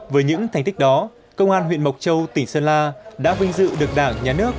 với những thành tích đó công an huyện mộc châu tỉnh sơn la đã vinh dự được đảng nhà nước